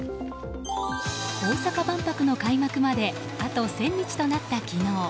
大阪万博の開幕まであと１０００日となった昨日。